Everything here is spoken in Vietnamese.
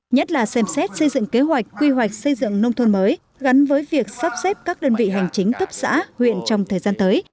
nhất là xem xét xây dựng kế hoạch quy hoạch xây dựng nông thôn mới gắn với việc sắp xếp các đơn vị hành chính cấp xã huyện trong thời gian tới